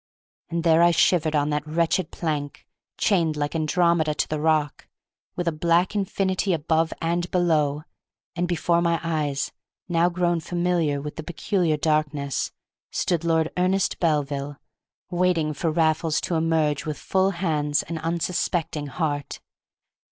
And there I shivered on that wretched plank, chained like Andromeda to the rock, with a black infinity above and below; and before my eyes, now grown familiar with the peculiar darkness, stood Lord Ernest Belville, waiting for Raffles to emerge with full hands and unsuspecting heart!